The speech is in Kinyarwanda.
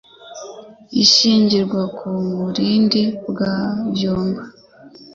ishingirwa ku murindi wa Byuma